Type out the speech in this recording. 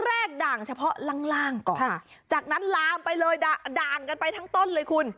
แรกด่างเฉพาะล่างล่างก่อนจากนั้นลามไปเลยด่านกันไปทั้งต้นเลยคุณ